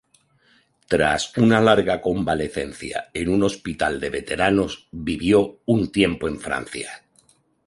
Tras una larga convalecencia en un hospital de veteranos, vivió un tiempo en Francia.